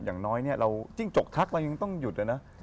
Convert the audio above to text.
อย่างน้อยเนี่ยเราจิ้งจกทักเรายังต้องหยุดเลยนะ